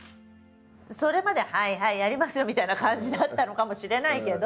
それまではいはいやりますよみたいな感じだったのかもしれないけど。